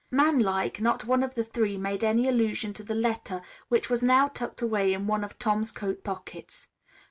Man like, not one of the three made any allusion to the letter which was now tucked away in one of Tom's coat pockets.